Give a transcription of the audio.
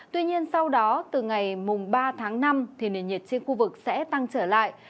tuy nhiên sau đó từ ngày ba tháng năm thì nền nhiệt trên khu vực sẽ tăng trở lại